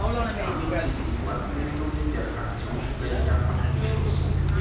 Damit sind die Wortmeldungen der Fraktionssprecher abgeschlossen.